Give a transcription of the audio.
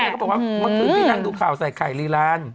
เขาบอกว่าเมื่อคืนพี่นางดูข่าวใส่ไข่ลีลาน